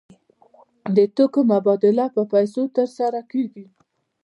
د توکو مبادله په پیسو ترسره کیږي.